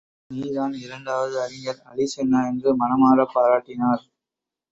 நீ தான் இரண்டாவது அறிஞர் அலி சென்னா என்று மனமாரப் பாராட்டினார்.